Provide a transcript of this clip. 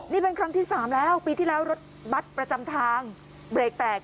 นี่เป็นครั้งที่สามแล้วปีที่แล้วรถบัตรประจำทางเบรกแตก